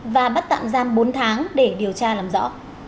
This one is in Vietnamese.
và bắt tạm giam bốn tháng để điều tra làm rõ